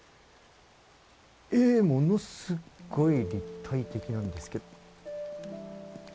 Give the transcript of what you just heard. ものすごい立体的なんですけど。